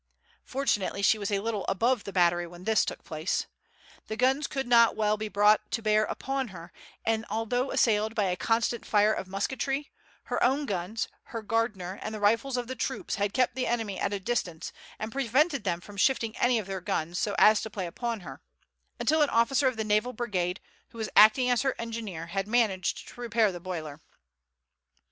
Fortunately she was a little above the battery when this took place. The guns could not well be brought to bear upon her; and although assailed by a constant fire of musketry, her own guns, her Gardner, and the rifles of the troops had kept the enemy at a distance and prevented them from shifting any of their guns so as to play upon her, until an officer of the Naval Brigade, who was acting as her engineer, had managed to repair the boiler.